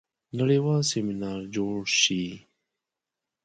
نړیوال سیمینار جوړ شي.